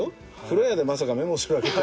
風呂屋でまさかメモするわけ。